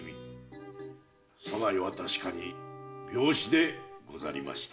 左内は確かに病死でござりました。